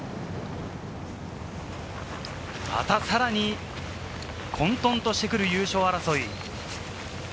またさらに混沌としてくる優勝争い。